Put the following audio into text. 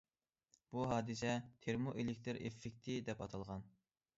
بۇ ھادىسە تېرمو ئېلېكتىر ئېففېكتى، دەپ ئاتالغان.